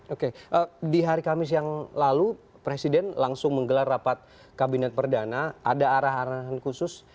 oke di hari kamis yang lalu presiden langsung menggelar rapat kabinet perdana ada arah arahan khusus